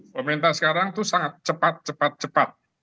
pemerintah sekarang itu sangat cepat cepat cepat